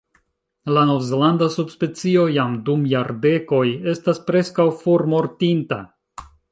La Nov-Zelanda subspecio jam dum jardekoj estas preskaŭ formortinta.